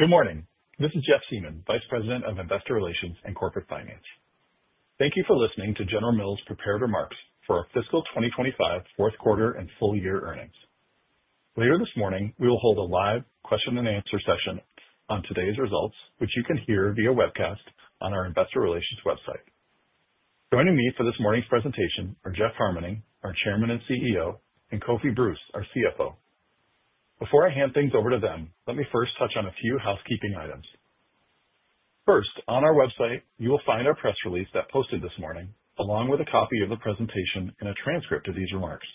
Good morning. This is Jeff Siemon, Vice President of Investor Relations and Corporate Finance. Thank you for listening to General Mills' prepared remarks for our Fiscal 2025 Fourth Quarter and Full Year Earnings. Later this morning, we will hold a live Question-and-Answer Session on today's results, which you can hear via webcast on our Investor Relations website. Joining me for this morning's presentation are Jeff Harmening, our Chairman and CEO, and Kofi Bruce, our CFO. Before I hand things over to them, let me first touch on a few housekeeping items. First, on our website, you will find our press release that posted this morning, along with a copy of the presentation and a transcript of these remarks.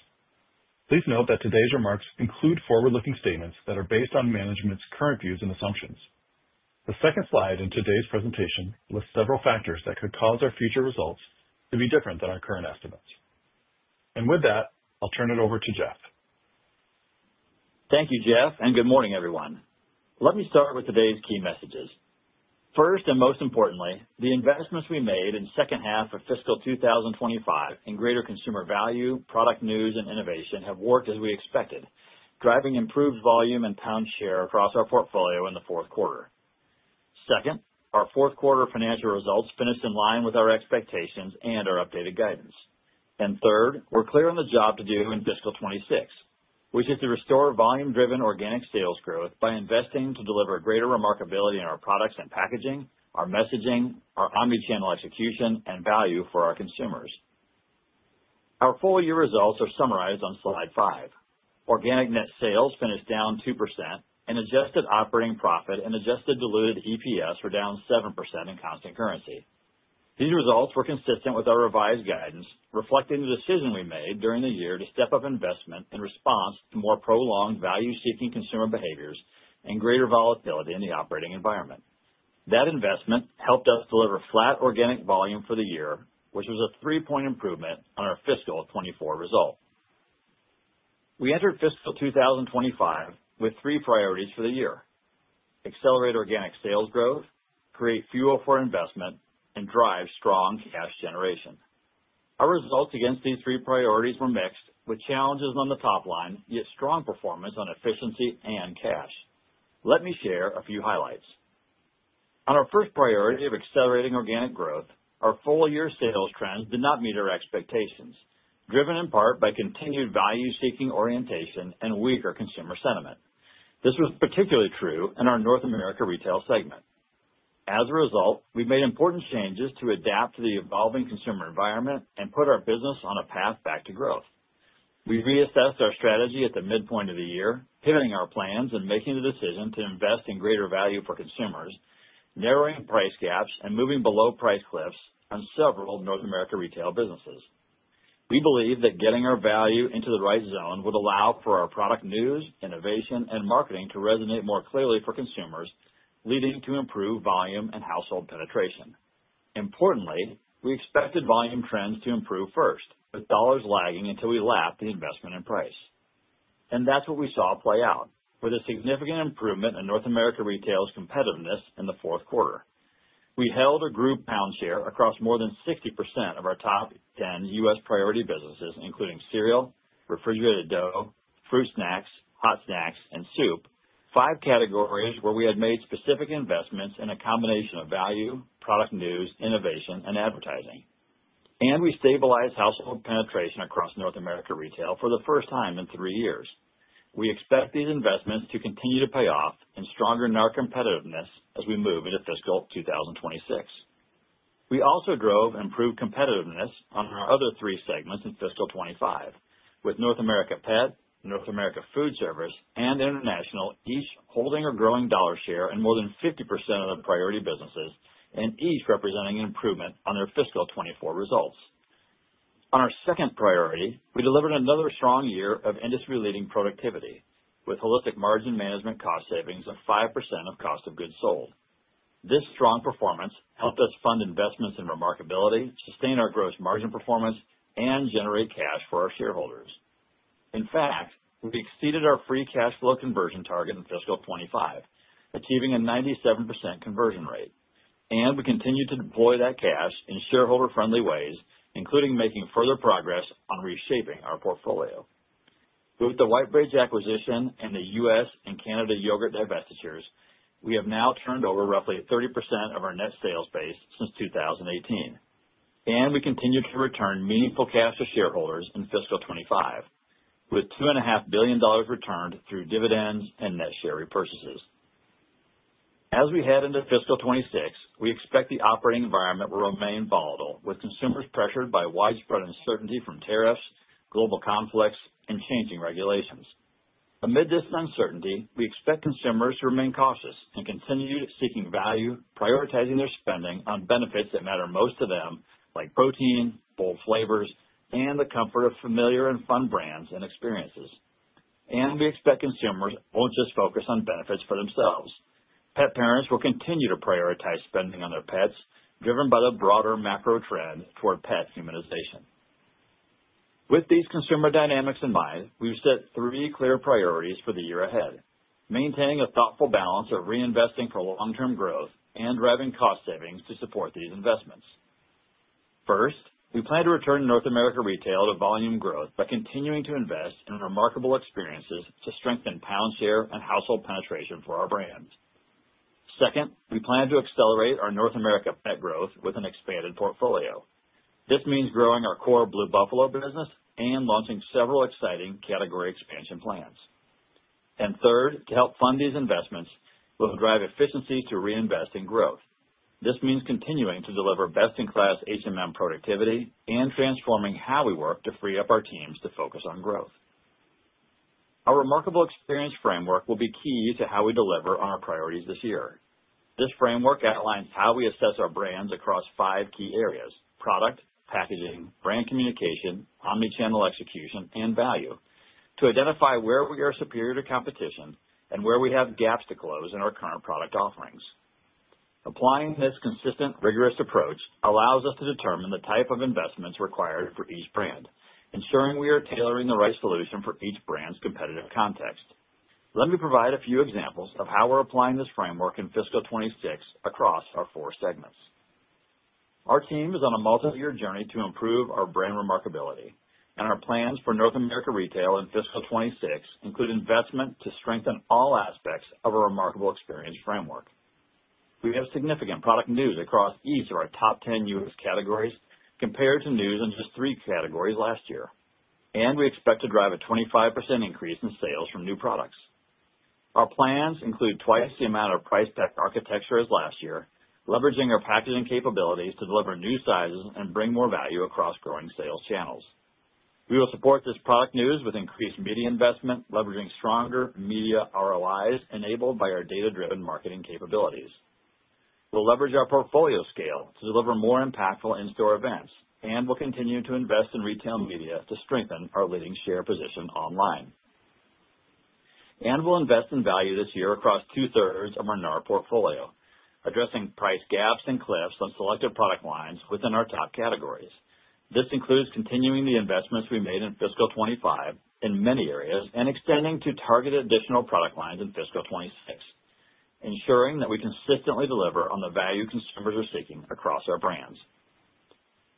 Please note that today's remarks include forward-looking statements that are based on management's current views and assumptions. The second slide in today's presentation lists several factors that could cause our future results to be different than our current estimates. With that, I'll turn it over to Jeff. Thank you, Jeff, and good morning, everyone. Let me start with today's key messages. First and most importantly, the investments we made in the second half of fiscal 2025 in greater consumer value, product news, and innovation have worked as we expected, driving improved volume and pound share across our portfolio in the fourth quarter. Second, our fourth quarter financial results finished in line with our expectations and our updated guidance. Third, we're clear on the job to do in fiscal 2026, which is to restore volume-driven organic sales growth by investing to deliver greater remarkability in our products and packaging, our messaging, our omnichannel execution, and value for our consumers. Our full year results are summarized on slide five. Organic net sales finished down 2%, and adjusted operating profit and adjusted diluted EPS were down 7% in constant currency. These results were consistent with our revised guidance, reflecting the decision we made during the year to step up investment in response to more prolonged value-seeking consumer behaviors and greater volatility in the operating environment. That investment helped us deliver flat organic volume for the year, which was a three-point improvement on our fiscal 2024 result. We entered fiscal 2025 with three priorities for the year: accelerate organic sales growth, create fuel for investment, and drive strong cash generation. Our results against these three priorities were mixed, with challenges on the top line, yet strong performance on efficiency and cash. Let me share a few highlights. On our first priority of accelerating organic growth, our full year sales trends did not meet our expectations, driven in part by continued value-seeking orientation and weaker consumer sentiment. This was particularly true in our North America Retail segment. As a result, we made important changes to adapt to the evolving consumer environment and put our business on a path back to growth. We reassessed our strategy at the midpoint of the year, pivoting our plans and making the decision to invest in greater value for consumers, narrowing price gaps and moving below price cliffs on several North America Retail businesses. We believe that getting our value into the right zone would allow for our product news, innovation, and marketing to resonate more clearly for consumers, leading to improved volume and household penetration. Importantly, we expected volume trends to improve first, with dollars lagging until we lapped the investment in price. That is what we saw play out, with a significant improvement in North America Retail's competitiveness in the fourth quarter. We held a group pound share across more than 60% of our top 10 U.S. Priority businesses, including cereal, refrigerated dough, fruit snacks, hot snacks, and soup, five categories where we had made specific investments in a combination of value, product news, innovation, and advertising. We stabilized household penetration across North America Retail for the first time in three years. We expect these investments to continue to pay off and strengthen our competitiveness as we move into fiscal 2026. We also drove improved competitiveness on our other three segments in fiscal 2025, with North America Pet, North America Food Service, and International each holding or growing dollar share in more than 50% of the priority businesses, and each representing an improvement on their fiscal 2024 results. On our second priority, we delivered another strong year of industry-leading productivity, with Holistic Margin Management cost savings of 5% of cost of goods sold. This strong performance helped us fund investments in remarkability, sustain our gross margin performance, and generate cash for our shareholders. In fact, we exceeded our free cash flow conversion target in fiscal 2025, achieving a 97% conversion rate. We continue to deploy that cash in shareholder-friendly ways, including making further progress on reshaping our portfolio. With the Whitebridge acquisition and the U.S. and Canada yogurt divestitures, we have now turned over roughly 30% of our net sales base since 2018. We continue to return meaningful cash to shareholders in fiscal 2025, with $2.5 billion returned through dividends and net share repurchases. As we head into fiscal 2026, we expect the operating environment will remain volatile, with consumers pressured by widespread uncertainty from tariffs, global conflicts, and changing regulations. Amid this uncertainty, we expect consumers to remain cautious and continue seeking value, prioritizing their spending on benefits that matter most to them, like protein, bold flavors, and the comfort of familiar and fun brands and experiences. We expect consumers will not just focus on benefits for themselves. Pet parents will continue to prioritize spending on their pets, driven by the broader macro trend toward pet humanization. With these consumer dynamics in mind, we have set three clear priorities for the year ahead: maintaining a thoughtful balance of reinvesting for long-term growth and driving cost savings to support these investments. First, we plan to return North America Retail to volume growth by continuing to invest in remarkable experiences to strengthen pound share and household penetration for our brands. Second, we plan to accelerate our North America Pet growth with an expanded portfolio. This means growing our core Blue Buffalo business and launching several exciting category expansion plans. Third, to help fund these investments, we'll drive efficiencies to reinvest in growth. This means continuing to deliver best-in-class productivity and transforming how we work to free up our teams to focus on growth. Our Remarkable Experience Framework will be key to how we deliver on our priorities this year. This framework outlines how we assess our brands across five key areas: product, packaging, brand communication, omnichannel execution, and value, to identify where we are superior to competition and where we have gaps to close in our current product offerings. Applying this consistent, rigorous approach allows us to determine the type of investments required for each brand, ensuring we are tailoring the right solution for each brand's competitive context. Let me provide a few examples of how we're applying this framework in fiscal 2026 across our four segments. Our team is on a multi-year journey to improve our brand remarkability, and our plans for North America Retail in fiscal 2026 include investment to strengthen all aspects of our Remarkable Experience Framework. We have significant product news across each of our top 10 U.S. categories compared to news in just three categories last year. We expect to drive a 25% increase in sales from new products. Our plans include twice the amount of price-tech architecture as last year, leveraging our packaging capabilities to deliver new sizes and bring more value across growing sales channels. We will support this product news with increased media investment, leveraging stronger media ROIs enabled by our data-driven marketing capabilities. We'll leverage our portfolio scale to deliver more impactful in-store events, and we'll continue to invest in Retail Media to strengthen our leading share position online. We'll invest in value this year across two-thirds of our NAR portfolio, addressing price gaps and cliffs on selected product lines within our top categories. This includes continuing the investments we made in fiscal 2025 in many areas and extending to target additional product lines in fiscal 2026, ensuring that we consistently deliver on the value consumers are seeking across our brands.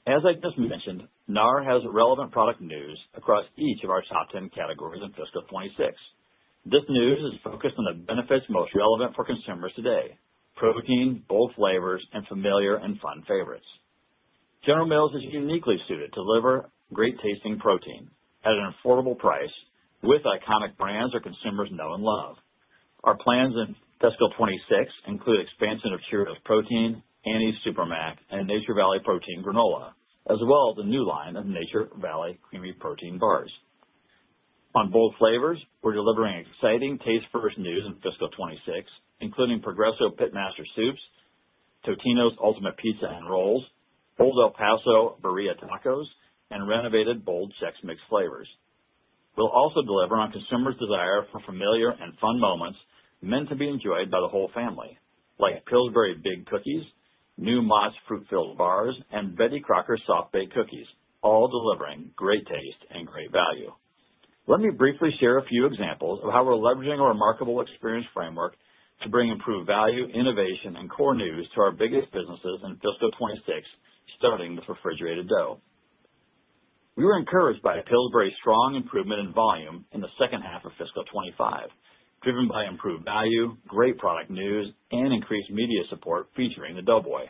As I just mentioned, NAR has relevant product news across each of our top 10 categories in fiscal 2026. This news is focused on the benefits most relevant for consumers today: protein, bold flavors, and familiar and fun favorites. General Mills is uniquely suited to deliver great-tasting protein at an affordable price with iconic brands our consumers know and love. Our plans in fiscal 2026 include expansion of Cheerios Protein, Annie's Super Mac, and Nature Valley Protein Granola, as well as a new line of Nature Valley Creamy Protein Bars. On bold flavors, we're delivering exciting taste-first news in fiscal 2026, including Progresso Pitmaster Soups, Totino's Ultimate Pizza and Rolls, Old El Paso Birria Tacos, and renovated Bold Chex Mix flavors. We'll also deliver on consumers' desire for familiar and fun moments meant to be enjoyed by the whole family, like Pillsbury Big Cookies, new Mott's Fruit-Filled Bars, and Betty Crocker Soft-Baked Cookies, all delivering great taste and great value. Let me briefly share a few examples of how we're leveraging our Remarkable Experience Framework to bring improved value, innovation, and core news to our biggest businesses in fiscal 2026, starting with refrigerated dough. We were encouraged by Pillsbury's strong improvement in volume in the second half of fiscal 2025, driven by improved value, great product news, and increased media support featuring the Doughboy.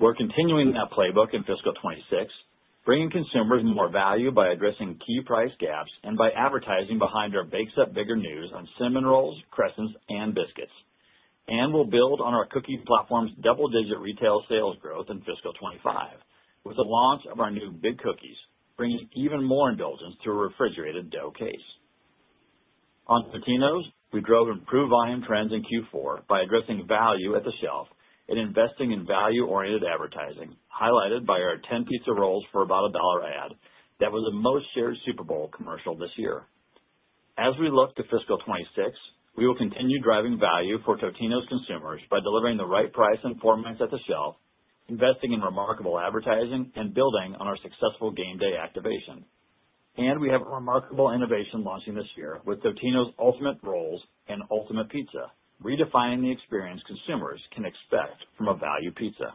We are continuing that playbook in fiscal 2026, bringing consumers more value by addressing key price gaps and by advertising behind our Baked Up Bigger news on cinnamon rolls, crescents, and biscuits. We will build on our cookie platform's double-digit retail sales growth in fiscal 2025, with the launch of our new Big Cookies, bringing even more indulgence to a refrigerated dough case. On Totino's, we drove improved volume trends in Q4 by addressing value at the shelf and investing in value-oriented advertising, highlighted by our 10-pizza rolls for about a dollar ad that was the most shared Super Bowl commercial this year. As we look to fiscal 2026, we will continue driving value for Totino's consumers by delivering the right price informants at the shelf, investing in remarkable advertising, and building on our successful game day activation. We have a remarkable innovation launching this year with Totino's Ultimate Rolls and Ultimate Pizza, redefining the experience consumers can expect from a value pizza.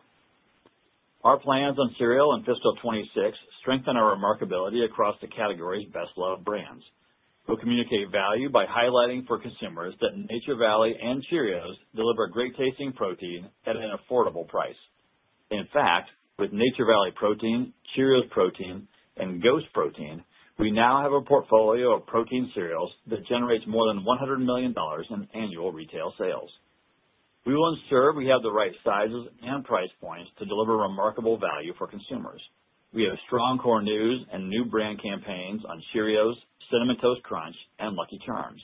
Our plans on cereal in fiscal 2026 strengthen our remarkability across the category's best-loved brands. We'll communicate value by highlighting for consumers that Nature Valley and Cheerios deliver great-tasting protein at an affordable price. In fact, with Nature Valley Protein, Cheerios Protein, and Ghost Protein, we now have a portfolio of protein cereals that generates more than $100 million in annual retail sales. We will ensure we have the right sizes and price points to deliver remarkable value for consumers. We have strong core news and new brand campaigns on Cheerios, Cinnamon Toast Crunch, and Lucky Charms.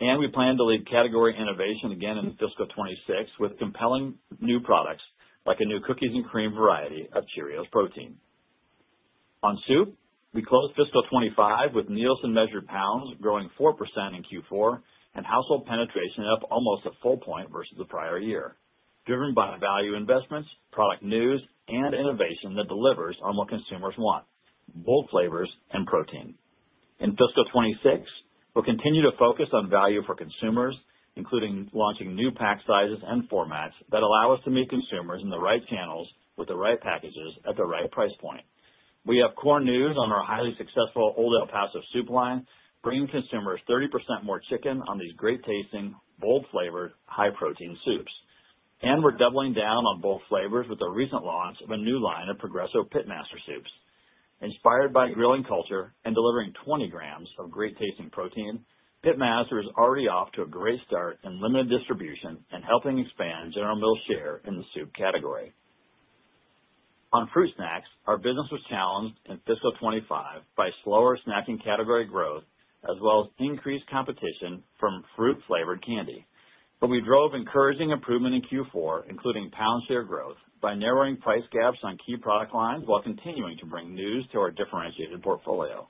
We plan to lead category innovation again in fiscal 2026 with compelling new products, like a new cookies and cream variety of Cheerios Protein. On soup, we closed fiscal 2025 with meals and measured pounds growing 4% in Q4 and household penetration up almost a full point versus the prior year, driven by value investments, product news, and innovation that delivers on what consumers want: bold flavors and protein. In fiscal 2026, we will continue to focus on value for consumers, including launching new pack sizes and formats that allow us to meet consumers in the right channels with the right packages at the right price point. We have core news on our highly successful Old El Paso Soup line, bringing consumers 30% more chicken on these great-tasting, bold-flavored, high-protein soups. We're doubling down on bold flavors with the recent launch of a new line of Progresso Pitmaster soups. Inspired by grilling culture and delivering 20 grams of great-tasting protein, Pitmaster is already off to a great start in limited distribution and helping expand General Mills' share in the soup category. On fruit snacks, our business was challenged in fiscal 2025 by slower snacking category growth, as well as increased competition from fruit-flavored candy. We drove encouraging improvement in Q4, including pound share growth, by narrowing price gaps on key product lines while continuing to bring news to our differentiated portfolio.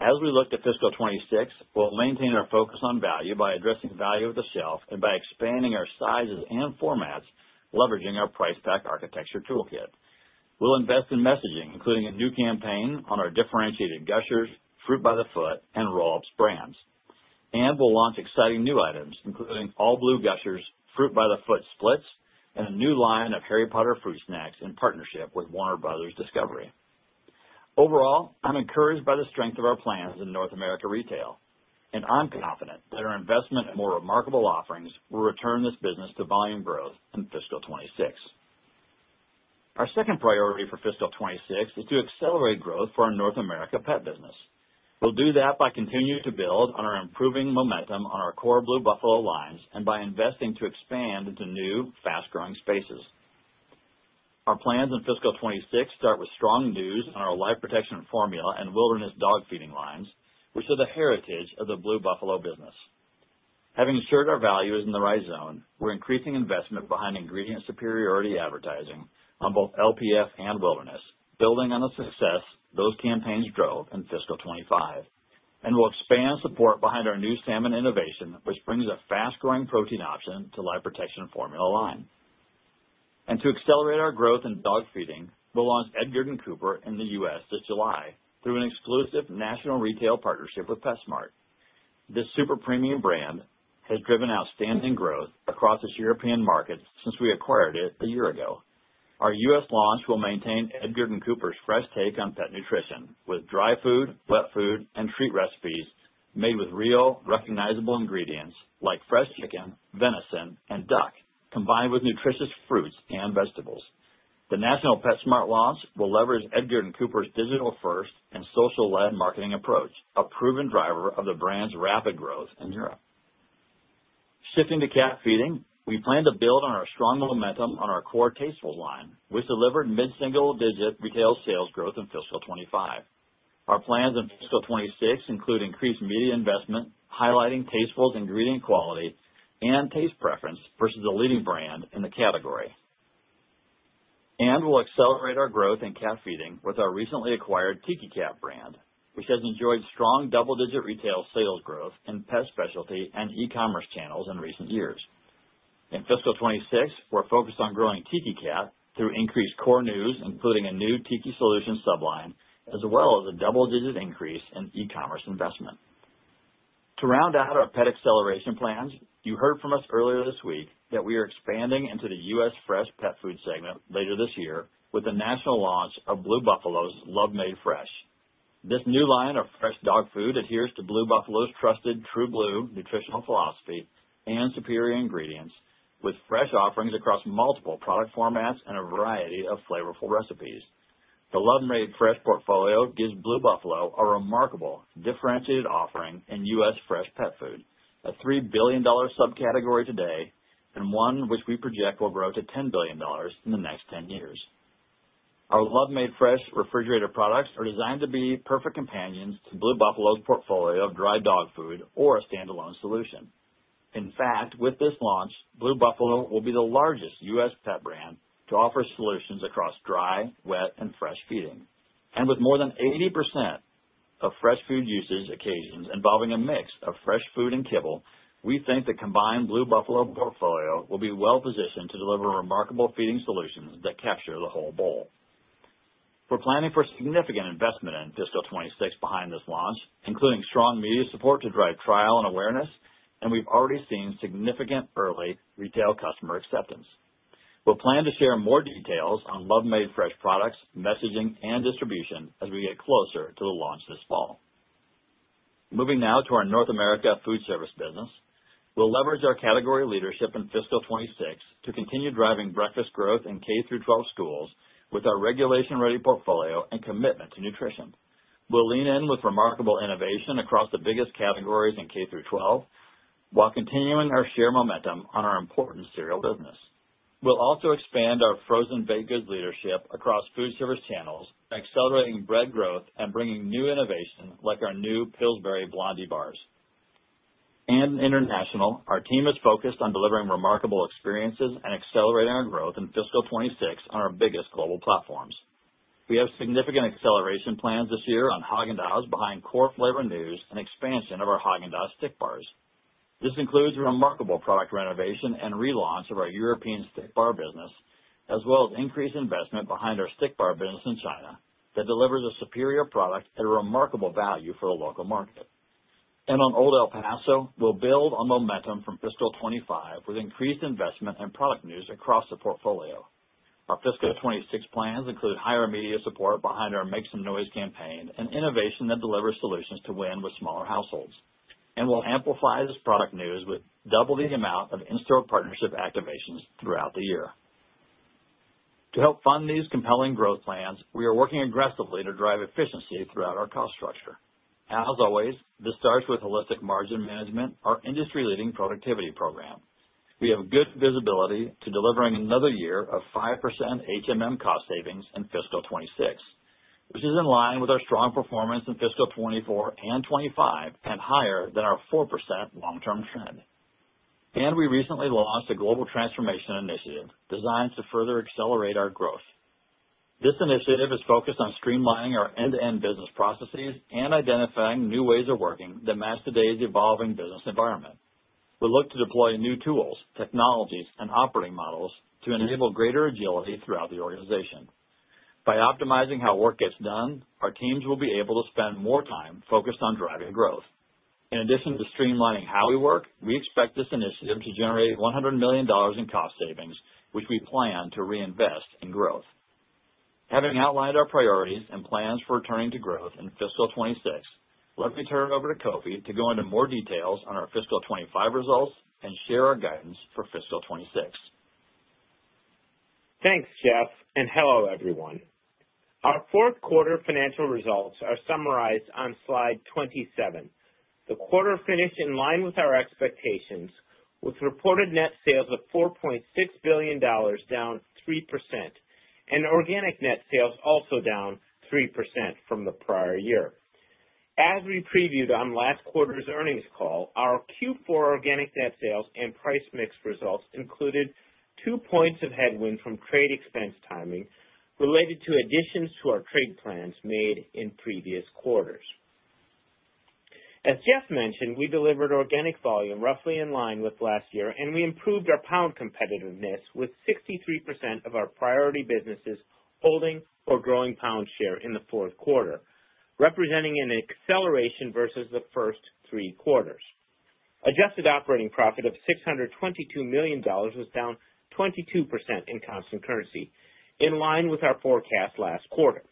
As we look to fiscal 2026, we'll maintain our focus on value by addressing value at the shelf and by expanding our sizes and formats, leveraging our price-tech architecture toolkit. We'll invest in messaging, including a new campaign on our differentiated Gushers, Fruit by the Foot, and Roll-Ups brands. We'll launch exciting new items, including all-blue Gushers, Fruit by the Foot splits, and a new line of Harry Potter fruit snacks in partnership with Warner Bros. Discovery. Overall, I'm encouraged by the strength of our plans in North America Retail. I'm confident that our investment in more remarkable offerings will return this business to volume growth in fiscal 2026. Our second priority for fiscal 2026 is to accelerate growth for our North America Pet business. We'll do that by continuing to build on our improving momentum on our core Blue Buffalo lines and by investing to expand into new, fast-growing spaces. Our plans in fiscal 2026 start with strong news on our Life Protection Formula and Wilderness dog feeding lines, which are the heritage of the Blue Buffalo business. Having assured our value is in the right zone, we're increasing investment behind ingredient superiority advertising on both LPF and Wilderness, building on the success those campaigns drove in fiscal 2025. We will expand support behind our new salmon innovation, which brings a fast-growing protein option to the Life Protection Formula line. To accelerate our growth in dog feeding, we'll launch Edgard & Cooper in the U.S. this July through an exclusive national retail partnership with PetSmart. This super premium brand has driven outstanding growth across the European markets since we acquired it a year ago. Our U.S. Launch will maintain Edgard & Cooper's fresh take on pet nutrition, with dry food, wet food, and treat recipes made with real, recognizable ingredients like fresh chicken, venison, and duck, combined with nutritious fruits and vegetables. The national PetSmart launch will leverage Edgard & Cooper's digital-first and social-led marketing approach, a proven driver of the brand's rapid growth in Europe. Shifting to cat feeding, we plan to build on our strong momentum on our core Tastefuls line, which delivered mid-single-digit retail sales growth in fiscal 2025. Our plans in fiscal 2026 include increased media investment, highlighting Tastefuls' ingredient quality and taste preference versus a leading brand in the category. We will accelerate our growth in cat feeding with our recently acquired Tiki Cat brand, which has enjoyed strong double-digit retail sales growth in pet specialty and e-commerce channels in recent years. In fiscal 2026, we're focused on growing Tiki Cat through increased core news, including a new Tiki Solutions subline, as well as a double-digit increase in e-commerce investment. To round out our pet acceleration plans, you heard from us earlier this week that we are expanding into the U.S. fresh pet food segment later this year with the national launch of Blue Buffalo's Love Made Fresh. This new line of fresh dog food adheres to Blue Buffalo's trusted True Blue nutritional philosophy and superior ingredients, with fresh offerings across multiple product formats and a variety of flavorful recipes. The Love Made Fresh portfolio gives Blue Buffalo a remarkable, differentiated offering in U.S. fresh pet food, a $3 billion subcategory today, and one which we project will grow to $10 billion in the next 10 years. Our Love Made Fresh refrigerator products are designed to be perfect companions to Blue Buffalo's portfolio of dry dog food or a standalone solution. In fact, with this launch, Blue Buffalo will be the largest U.S. pet brand to offer solutions across dry, wet, and fresh feeding. With more than 80% of fresh food usage occasions involving a mix of fresh food and kibble, we think the combined Blue Buffalo portfolio will be well-positioned to deliver remarkable feeding solutions that capture the whole bowl. We're planning for significant investment in fiscal 2026 behind this launch, including strong media support to drive trial and awareness, and we've already seen significant early retail customer acceptance. We'll plan to share more details on Love Made Fresh products, messaging, and distribution as we get closer to the launch this fall. Moving now to our North America Food Service business, we will leverage our category leadership in fiscal 2026 to continue driving breakfast growth in K-12 schools with our regulation-ready portfolio and commitment to nutrition. We will lean in with remarkable innovation across the biggest categories in K-12 while continuing our shared momentum on our important cereal business. We will also expand our frozen baked goods leadership across food service channels, accelerating bread growth and bringing new innovation like our new Pillsbury Blondie Bars. Internationally, our team is focused on delivering remarkable experiences and accelerating our growth in fiscal 2026 on our biggest global platforms. We have significant acceleration plans this year on Häagen-Dazs behind core flavor news and expansion of our Häagen-Dazs Stick Bars. This includes remarkable product renovation and relaunch of our European stick bar business, as well as increased investment behind our stick bar business in China that delivers a superior product at a remarkable value for the local market. On Old El Paso, we'll build on momentum from fiscal 2025 with increased investment and product news across the portfolio. Our fiscal 2026 plans include higher media support behind our Make Some Noise campaign and innovation that delivers solutions to win with smaller households. We'll amplify this product news with double the amount of in-store partnership activations throughout the year. To help fund these compelling growth plans, we are working aggressively to drive efficiency throughout our cost structure. As always, this starts with Holistic Margin Management, our industry-leading productivity program. We have good visibility to delivering another year of 5% cost savings in fiscal 2026, which is in line with our strong performance in fiscal 2024 and 2025 and higher than our 4% long-term trend. We recently launched a global transformation initiative designed to further accelerate our growth. This initiative is focused on streamlining our end-to-end business processes and identifying new ways of working that match today's evolving business environment. We look to deploy new tools, technologies, and operating models to enable greater agility throughout the organization. By optimizing how work gets done, our teams will be able to spend more time focused on driving growth. In addition to streamlining how we work, we expect this initiative to generate $100 million in cost savings, which we plan to reinvest in growth. Having outlined our priorities and plans for returning to growth in fiscal 2026, let me turn it over to Kofi to go into more details on our fiscal 2025 results and share our guidance for fiscal 2026. Thanks, Jeff. Hello, everyone. Our fourth quarter financial results are summarized on slide 27. The quarter finished in line with our expectations, with reported net sales of $4.6 billion, down 3%, and organic net sales also down 3% from the prior year. As we previewed on last quarter's earnings call, our Q4 organic net sales and price mix results included two points of headwind from trade expense timing related to additions to our trade plans made in previous quarters. As Jeff mentioned, we delivered organic volume roughly in line with last year, and we improved our pound competitiveness with 63% of our priority businesses holding or growing pound share in the fourth quarter, representing an acceleration versus the first three quarters. Adjusted operating profit of $622 million was down 22% in constant currency, in line with our forecast last quarter.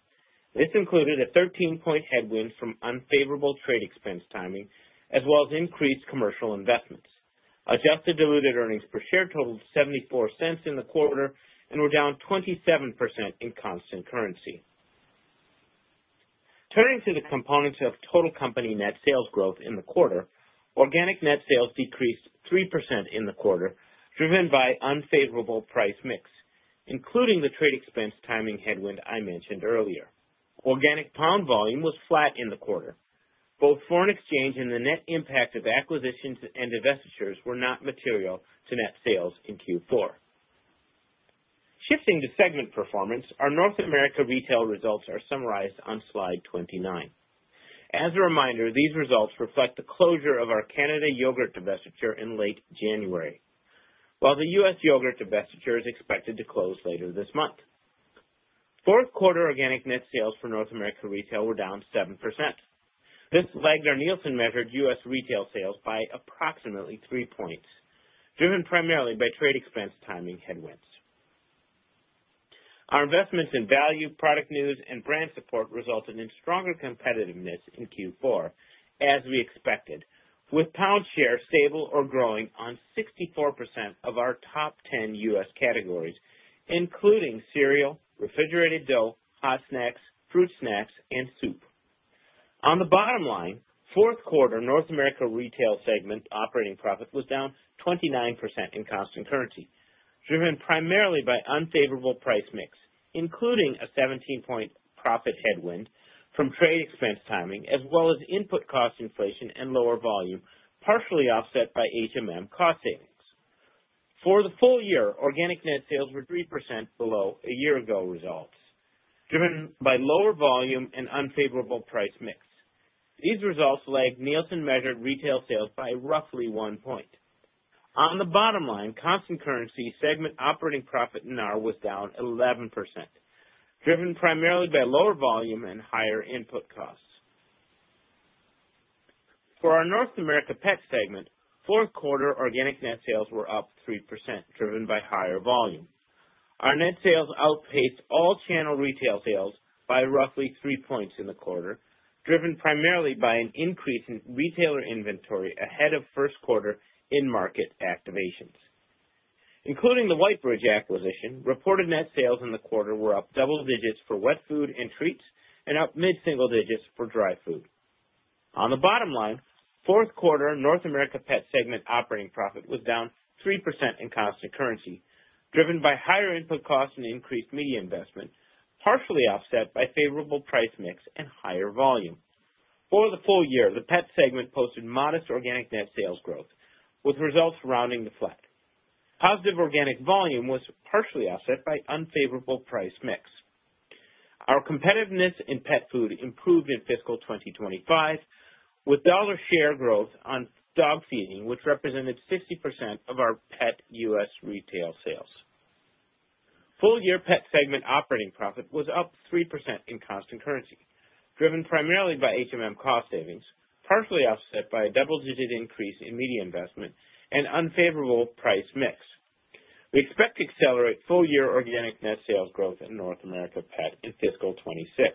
This included a 13-point headwind from unfavorable trade expense timing, as well as increased commercial investments. Adjusted diluted earnings per share totaled $0.74 in the quarter and were down 27% in constant currency. Turning to the components of total company net sales growth in the quarter, organic net sales decreased 3% in the quarter, driven by unfavorable price mix, including the trade expense timing headwind I mentioned earlier. Organic pound volume was flat in the quarter. Both foreign exchange and the net impact of acquisitions and divestitures were not material to net sales in Q4. Shifting to segment performance, our North America Retail results are summarized on slide 29. As a reminder, these results reflect the closure of our Canada yogurt divestiture in late January, while the U.S. yogurt divestiture is expected to close later this month. Fourth quarter organic net sales for North America Retail were down 7%. This lagged our Nielsen-measured U.S. retail sales by approximately three points, driven primarily by trade expense timing headwinds. Our investments in value, product news, and brand support resulted in stronger competitiveness in Q4, as we expected, with pound share stable or growing on 64% of our top 10 U.S. categories, including cereal, refrigerated dough, hot snacks, fruit snacks, and soup. On the bottom line, fourth quarter North America Retail segment operating profit was down 29% in constant currency, driven primarily by unfavorable price mix, including a 17-point profit headwind from trade expense timing, as well as input cost inflation and lower volume, partially offset by cost savings. For the full year, organic net sales were 3% below a year-ago results, driven by lower volume and unfavorable price mix. These results lagged Nielsen-measured retail sales by roughly one point. On the bottom line, constant currency segment operating profit in North America Retail was down 11%, driven primarily by lower volume and higher input costs. For our North America Pet segment, fourth quarter organic net sales were up 3%, driven by higher volume. Our net sales outpaced all-channel retail sales by roughly three points in the quarter, driven primarily by an increase in retailer inventory ahead of first quarter in-market activations. Including the Whitebridge Pet Brands acquisition, reported net sales in the quarter were up double digits for wet food and treats and up mid-single digits for dry food. On the bottom line, fourth quarter North America Pet segment operating profit was down 3% in constant currency, driven by higher input costs and increased media investment, partially offset by favorable price mix and higher volume. For the full year, the pet segment posted modest organic net sales growth, with results rounding to flat. Positive organic volume was partially offset by unfavorable price mix. Our competitiveness in pet food improved in fiscal 2025, with dollar share growth on dog feeding, which represented 60% of our pet U.S. retail sales. Full-year pet segment operating profit was up 3% in constant currency, driven primarily by cost savings, partially offset by a double-digit increase in media investment and unfavorable price mix. We expect to accelerate full-year organic net sales growth in North America Pet in fiscal 2026.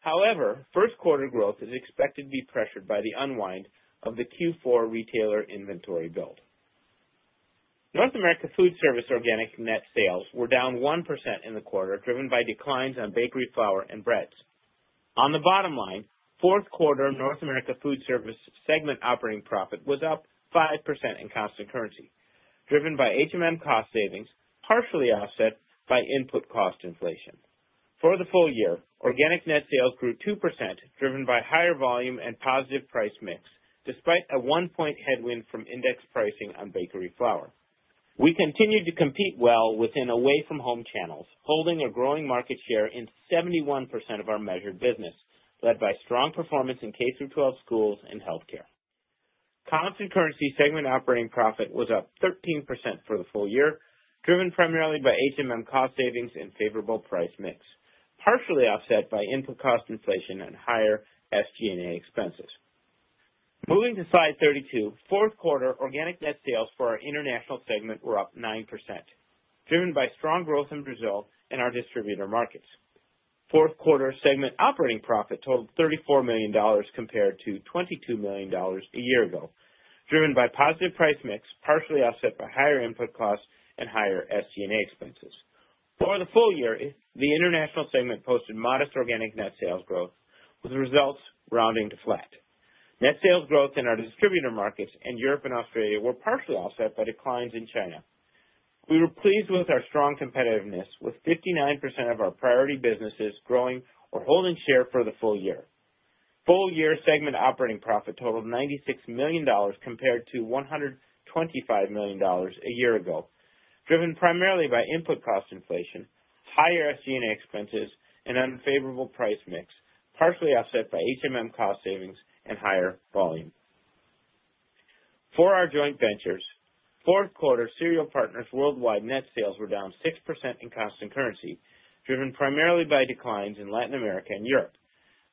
However, first quarter growth is expected to be pressured by the unwind of the Q4 retailer inventory build. North America Food Service organic net sales were down 1% in the quarter, driven by declines on bakery flour and breads. On the bottom line, fourth quarter North America Food Service segment operating profit was up 5% in constant currency, driven by cost savings, partially offset by input cost inflation. For the full year, organic net sales grew 2%, driven by higher volume and positive price mix, despite a one-point headwind from index pricing on bakery flour. We continue to compete well within away-from-home channels, holding a growing market share in 71% of our measured business, led by strong performance in K-12 schools and healthcare. Constant currency segment operating profit was up 13% for the full year, driven primarily by cost savings and favorable price mix, partially offset by input cost inflation and higher SG&A expenses. Moving to slide 32, fourth quarter organic net sales for our international segment were up 9%, driven by strong growth in Brazil and our distributor markets. Fourth quarter segment operating profit totaled $34 million compared to $22 million a year ago, driven by positive price mix, partially offset by higher input costs and higher SG&A expenses. For the full year, the International segment posted modest organic net sales growth, with results rounding to flat. Net sales growth in our distributor markets and Europe and Australia were partially offset by declines in China. We were pleased with our strong competitiveness, with 59% of our priority businesses growing or holding share for the full year. Full-year segment operating profit totaled $96 million compared to $125 million a year ago, driven primarily by input cost inflation, higher SG&A expenses, and unfavorable price mix, partially offset by cost savings and higher volume. For our joint ventures, fourth quarter Cereal Partners Worldwide net sales were down 6% in constant currency, driven primarily by declines in Latin America and Europe.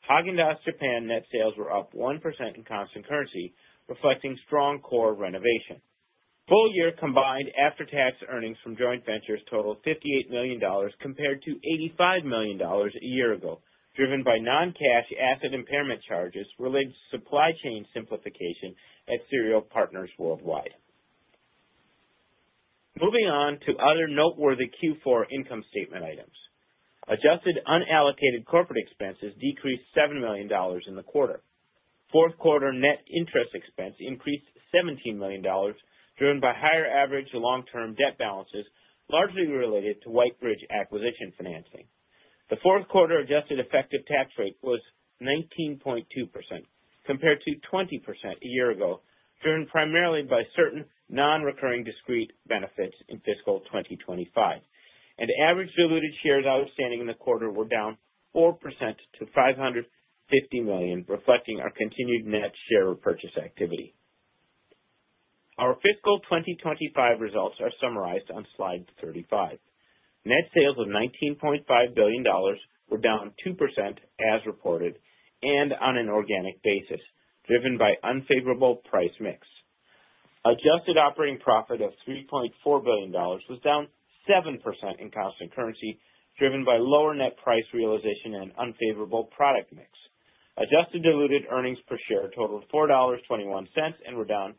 Häagen-Dazs Japan net sales were up 1% in constant currency, reflecting strong core renovation. Full-year combined after-tax earnings from joint ventures totaled $58 million compared to $85 million a year ago, driven by non-cash asset impairment charges related to supply chain simplification at Cereal Partners Worldwide. Moving on to other noteworthy Q4 income statement items. Adjusted unallocated corporate expenses decreased $7 million in the quarter. Fourth quarter net interest expense increased $17 million, driven by higher average long-term debt balances, largely related to Whitebridge acquisition financing. The fourth quarter adjusted effective tax rate was 19.2% compared to 20% a year ago, driven primarily by certain non-recurring discrete benefits in fiscal 2025. Average diluted shares outstanding in the quarter were down 4% to $550 million, reflecting our continued net share repurchase activity. Our fiscal 2025 results are summarized on slide 35. Net sales of $19.5 billion were down 2% as reported and on an organic basis, driven by unfavorable price mix. Adjusted operating profit of $3.4 billion was down 7% in constant currency, driven by lower net price realization and unfavorable product mix. Adjusted diluted earnings per share totaled $4.21 and were down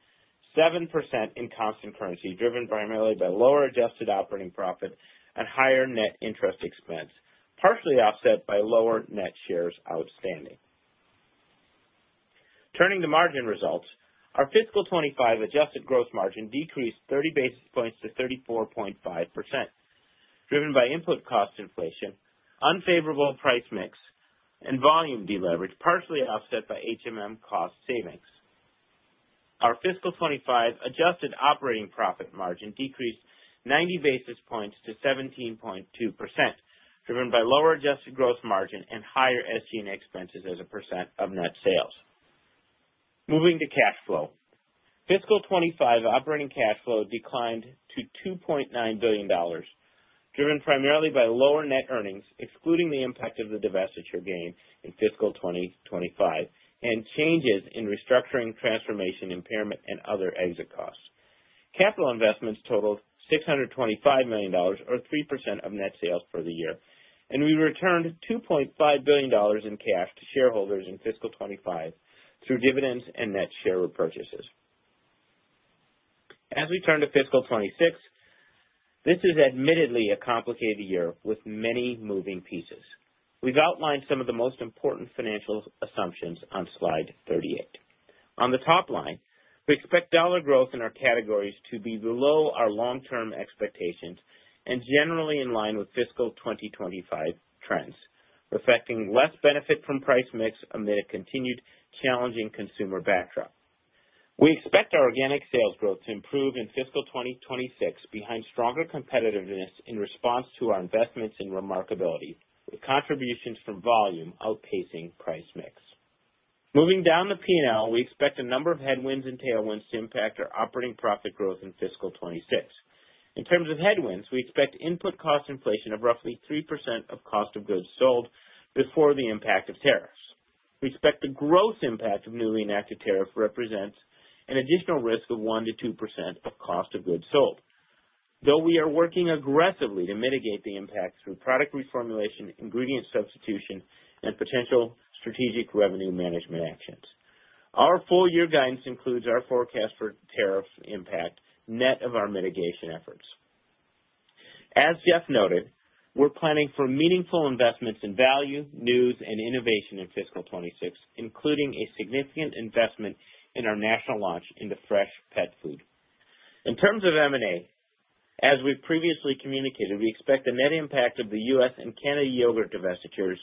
7% in constant currency, driven primarily by lower adjusted operating profit and higher net interest expense, partially offset by lower net shares outstanding. Turning to margin results, our fiscal 2025 adjusted gross margin decreased 30 basis points to 34.5%, driven by input cost inflation, unfavorable price mix, and volume deleverage, partially offset by cost savings. Our fiscal 2025 adjusted operating profit margin decreased 90 basis points to 17.2%, driven by lower adjusted gross margin and higher SG&A expenses as a percent of net sales. Moving to cash flow, fiscal 2025 operating cash flow declined to $2.9 billion, driven primarily by lower net earnings, excluding the impact of the divestiture gain in fiscal 2025 and changes in restructuring, transformation, impairment, and other exit costs. Capital investments totaled $625 million, or 3% of net sales for the year, and we returned $2.5 billion in cash to shareholders in fiscal 2025 through dividends and net share repurchases. As we turn to fiscal 2026, this is admittedly a complicated year with many moving pieces. We've outlined some of the most important financial assumptions on slide 38. On the top line, we expect dollar growth in our categories to be below our long-term expectations and generally in line with fiscal 2025 trends, reflecting less benefit from price mix amid a continued challenging consumer backdrop. We expect our organic sales growth to improve in fiscal 2026 behind stronger competitiveness in response to our investments in remarkability, with contributions from volume outpacing price mix. Moving down the P&L, we expect a number of headwinds and tailwinds to impact our operating profit growth in fiscal 2026. In terms of headwinds, we expect input cost inflation of roughly 3% of cost of goods sold before the impact of tariffs. We expect the gross impact of newly enacted tariffs represents an additional risk of 1%-2% of cost of goods sold, though we are working aggressively to mitigate the impact through product reformulation, ingredient substitution, and potential strategic revenue management actions. Our full-year guidance includes our forecast for tariff impact net of our mitigation efforts. As Jeff noted, we're planning for meaningful investments in value, news, and innovation in fiscal 2026, including a significant investment in our national launch into fresh pet food. In terms of M&A, as we've previously communicated, we expect the net impact of the U.S. and Canada yogurt divestitures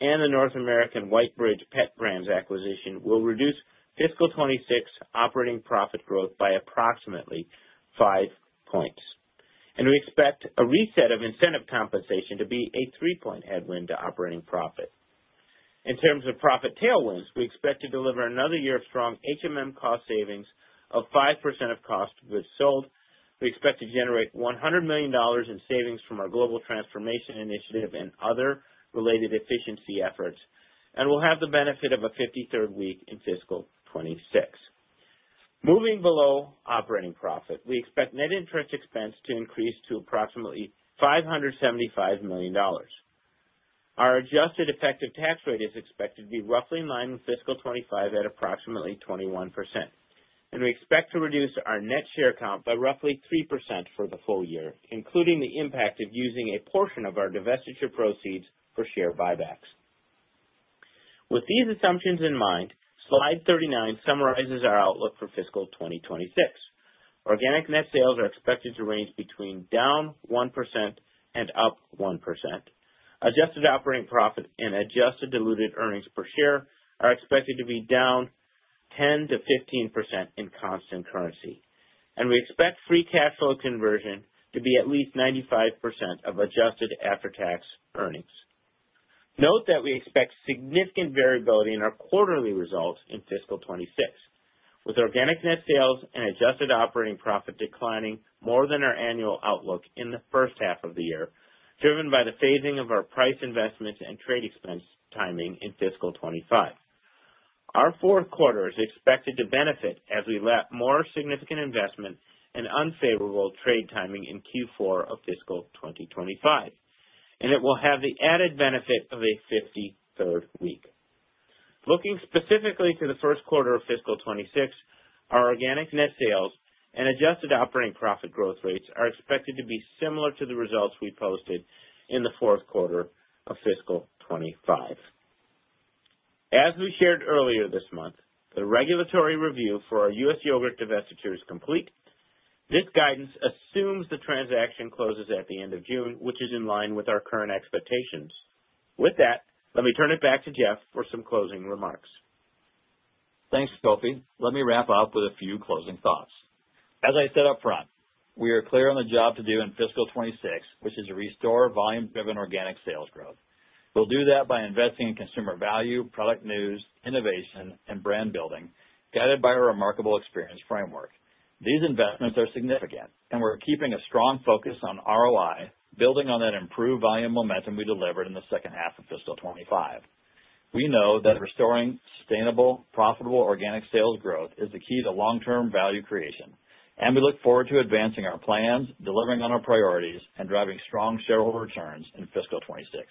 and the North America Whitebridge Pet Brands acquisition will reduce fiscal 2026 operating profit growth by approximately five points. We expect a reset of incentive compensation to be a three points headwind to operating profit. In terms of profit tailwinds, we expect to deliver another year of strong cost savings of 5% of cost of goods sold. We expect to generate $100 million in savings from our global transformation initiative and other related efficiency efforts, and we'll have the benefit of a 53rd week in fiscal 2026. Moving below operating profit, we expect net interest expense to increase to approximately $575 million. Our adjusted effective tax rate is expected to be roughly in line with fiscal 2025 at approximately 21%, and we expect to reduce our net share count by roughly 3% for the full year, including the impact of using a portion of our divestiture proceeds for share buybacks. With these assumptions in mind, slide 39 summarizes our outlook for fiscal 2026. Organic net sales are expected to range between down 1% and up 1%. Adjusted operating profit and adjusted diluted earnings per share are expected to be down 10%-15% in constant currency, and we expect free cash flow conversion to be at least 95% of adjusted after-tax earnings. Note that we expect significant variability in our quarterly results in fiscal 2026, with organic net sales and adjusted operating profit declining more than our annual outlook in the first half of the year, driven by the phasing of our price investments and trade expense timing in fiscal 2025. Our fourth quarter is expected to benefit as we lap more significant investment and unfavorable trade timing in Q4 of fiscal 2025, and it will have the added benefit of a 53rd week. Looking specifically to the first quarter of fiscal 2026, our organic net sales and adjusted operating profit growth rates are expected to be similar to the results we posted in the fourth quarter of fiscal 2025. As we shared earlier this month, the regulatory review for our U.S. yogurt divestiture is complete. This guidance assumes the transaction closes at the end of June, which is in line with our current expectations. With that, let me turn it back to Jeff for some closing remarks. Thanks, Kofi. Let me wrap up with a few closing thoughts. As I said upfront, we are clear on the job to do in fiscal 2026, which is to restore volume-driven organic sales growth. We'll do that by investing in consumer value, product news, innovation, and brand building, guided by our Remarkable Experience Framework. These investments are significant, and we're keeping a strong focus on ROI, building on that improved volume momentum we delivered in the second half of fiscal 2025. We know that restoring sustainable, profitable organic sales growth is the key to long-term value creation, and we look forward to advancing our plans, delivering on our priorities, and driving strong shareholder returns in fiscal 2026.